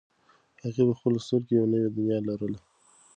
هغې په خپلو سترګو کې یوه نوې دنیا لرله.